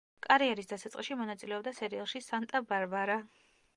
კარიერის დასაწყისში მონაწილეობდა სერიალში „სანტა-ბარბარა“.